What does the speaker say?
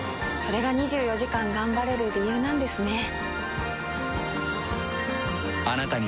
れが２４時間頑張れる理由なんですね。